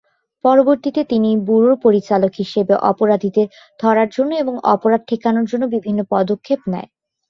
পরবর্তীতে তিনি ব্যুরোর পরিচালক হিসেবে অপরাধীদের ধরার জন্য এবং অপরাধ ঠেকানোর জন্য বিভিন্ন পদক্ষেপ নেয়।